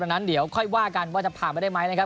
ดังนั้นเดี๋ยวก็ใกล้ว่ากันว่าจะพามาได้ไหม